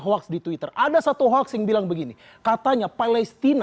gak masuk akal